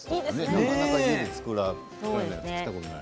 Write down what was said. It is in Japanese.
なかなか家で作ったことない。